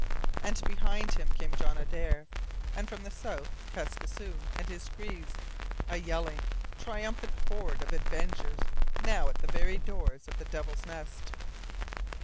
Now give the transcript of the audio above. And behind him came John Adare, and from the south Kaskisoon and his Crees, a yelling, triumphant horde of avengers now at the very doors of the Devil's Nest!